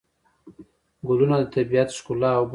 ګلونه د طبیعت ښکلا او بوی دی.